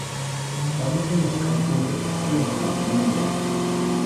Qharikunap kʼakinpiqa sunkham wiñan.